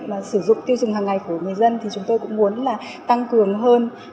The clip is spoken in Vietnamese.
mà sử dụng tiêu dùng hàng ngày của người dân thì chúng tôi cũng muốn là tăng cường hơn